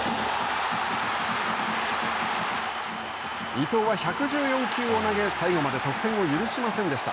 伊藤は１１４球を投げ最後まで得点を許しませんでした。